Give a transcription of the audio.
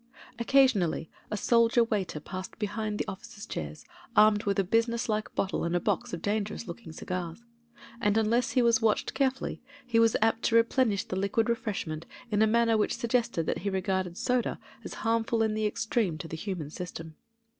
Occasionally a soldier waiter passed behind the officers' chairs, armed with a business like bottle and a box of dangerous looking cigars ; and unless he was watched carefully he was apt to replenish the liquid refreshment in a manner which suggested that he regarded soda as harmful in the extreme to the human system.